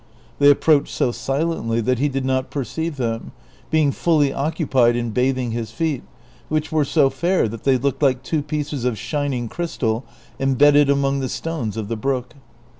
They approached so silently that he did not perceive them, being fully occupied in l)athing his feet, which were so fair that they looked like two })ieces of shining crystal embedded among the stones of the brook.